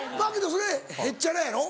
それへっちゃらやろ？